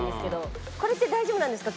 これって大丈夫なんですか？